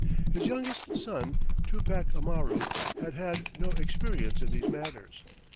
His youngest son, Tupac Amaru, had had no experience in these matters.